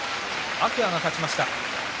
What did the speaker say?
天空海が勝ちました。